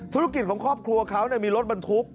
ธุรกิจของครอบครัวเขามีรถบรรทุก